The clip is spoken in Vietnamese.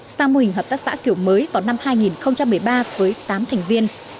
sang mô hình hợp tác xã kiểu mới vào năm hai nghìn một mươi ba với tám thành viên